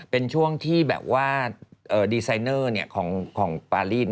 เป็นช่วงที่แบบว่าดีไซเนอร์ของปารีส